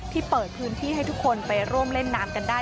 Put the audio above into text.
เปิดพื้นที่ให้ทุกคนไปร่วมเล่นน้ำกันได้